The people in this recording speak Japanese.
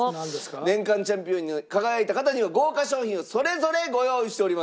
年間チャンピオンに輝いた方には豪華賞品をそれぞれご用意しております。